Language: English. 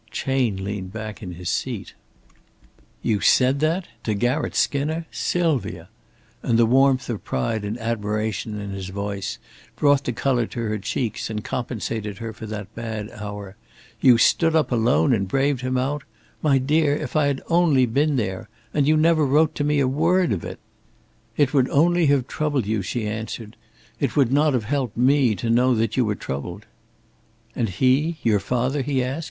Chayne leaned back in his seat. "You said that to Garratt Skinner, Sylvia!" and the warmth of pride and admiration in his voice brought the color to her cheeks and compensated her for that bad hour. "You stood up alone and braved him out! My dear, if I had only been there! And you never wrote to me a word of it!" "It would only have troubled you," she answered. "It would not have helped me to know that you were troubled!" "And he your father?" he asked.